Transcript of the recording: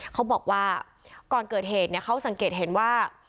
เขาบอกว่าก่อนเกิดเหตุเขาสังเกตเห็นว่า